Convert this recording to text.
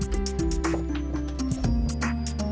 sekarang kamar mandi dimana